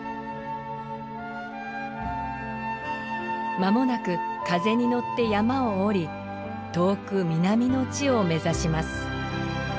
まもなく風に乗って山を下り遠く南の地を目指します。